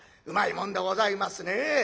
うまいもんでございますねえ。